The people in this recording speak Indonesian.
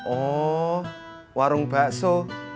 oh warung bakso